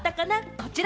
こちら。